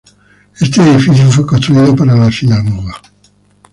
Este edificio fue construido para la sinagoga.